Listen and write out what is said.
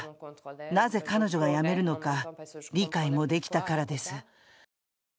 なぜ彼女がやめるのか理解もできたからです。